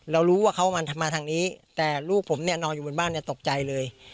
เรารู้ว่าเขามาทางนี้แต่ลูกผมเนี่ยนอนอยู่บนบ้านเนี่ยตกใจเลย